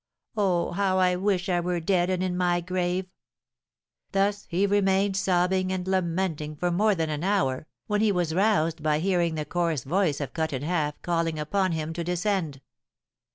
Oh, how I wish I were dead and in my grave!' Thus he remained sobbing and lamenting for more than an hour, when he was roused by hearing the coarse voice of Cut in Half calling upon him to descend.